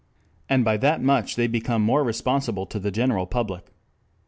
And by that much they become more responsible to the general public.